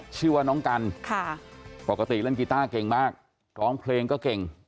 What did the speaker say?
ชื่อว่าน้องกันปกติเล่นกีต้าเก่งมากร้องเพลงก็เก่ง